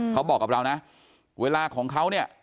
เขาบอกกับเรานะเวลาของเขาเนี่ย